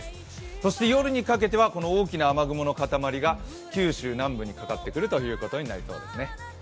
そして夜にかけてはこの大きな雨雲の塊が九州南部にかかってくるということになりそうですね。